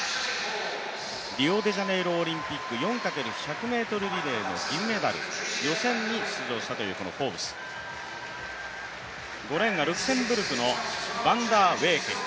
リオデジャネイロオリンピック４×４００ｍリレーの銀メダル、予選に出場したというフォーブス５レーンがルクセンブルクのヴァンダーウェケン。